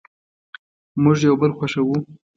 مونږ یو بل خوښوو